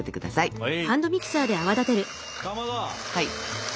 はい！